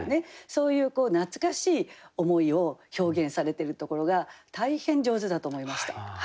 そういう懐かしい思いを表現されてるところが大変上手だと思いました。